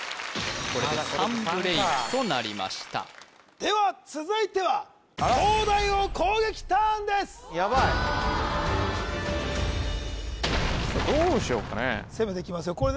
これで３ブレイクとなりましたでは続いては東大王攻撃ターンです・やばいどうしようかね攻めていきますよ